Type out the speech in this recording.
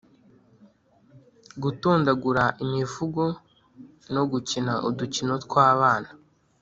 -gutondagura imivugo no gukina udukino tw’abana